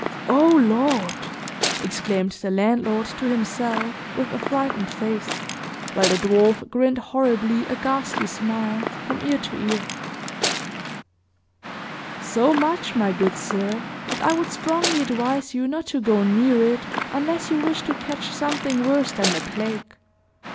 "O Lord!" exclaimed the landlord, to himself, with a frightened face, while the dwarf "grinned horribly a ghastly smile" from ear to ear. "So much, my good sir, that I would strongly advise you not to go near it, unless you wish to catch something worse than the plague.